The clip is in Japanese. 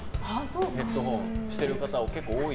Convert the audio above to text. ヘッドホンしてる方、結構多い。